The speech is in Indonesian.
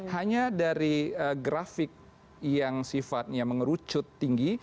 hanya dari grafik yang sifatnya mengerucut tinggi